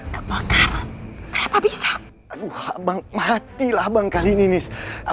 kebakaran bisa aduh abang matilah bang kali ini abang